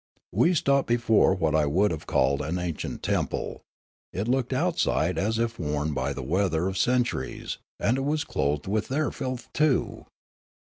We stopped before what I would have called an ancient temple ; it looked outside as if worn by the weather of centuries, and it was clothed with their filth too.